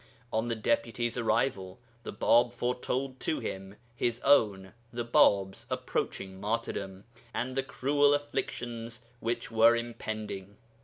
On the Deputy's arrival the Bāb foretold to him his own (the Bāb's) approaching martyrdom and the cruel afflictions which were impending.